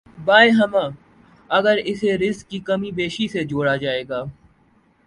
بایں ہمہ، اگر اسے رزق کی کم بیشی سے جوڑا جائے گا۔